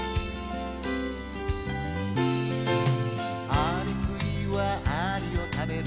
「アリクイはアリを食べる」